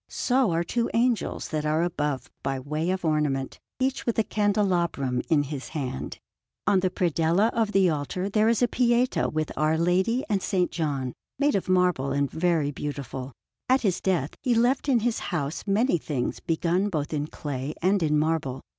So are two angels that are above by way of ornament, each with a candelabrum in his hand. On the predella of the altar there is a Pietà with Our Lady and S. John, made of marble and very beautiful. At his death he left in his house many things begun both in clay and in marble.